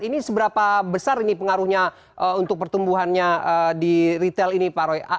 ini seberapa besar ini pengaruhnya untuk pertumbuhannya di retail ini pak roy